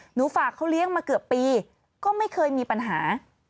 หนูฝากเขาเลี้ยงมาเกือบปีก็ไม่เคยมีปัญหา